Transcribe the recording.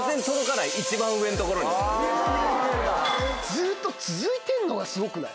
ずっと続いてんのがすごくない？